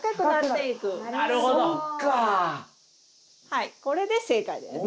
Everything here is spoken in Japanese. はいこれで正解です。